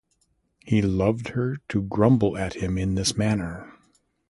He loved her to grumble at him in this manner.